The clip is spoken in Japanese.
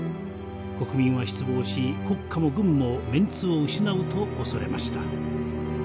国民は失望し国家も軍もメンツを失うと恐れました。